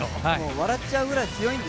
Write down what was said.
笑っちゃうぐらい強いと。